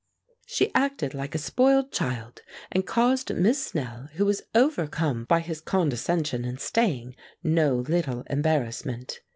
She acted like a spoiled child, and caused Miss Snell, who was overcome by his condescension in staying, no little embarrassment.